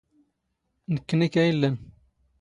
ⵏⴽⴽⵏⵉ ⴽⴰ ⴰⴷ ⵉⵍⵍⴰⵏ.